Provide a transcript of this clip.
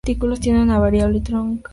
Tiene una variante troncal.